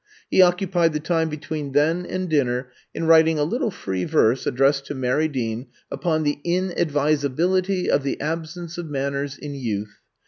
He occupied the time between then and dinner in writing a little free verse addressed to Mary Dean upon the Inadvisability of the Absence of Manners in Youth.